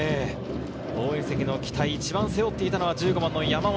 応援席の期待を一番背負っていたのは１５番の山本。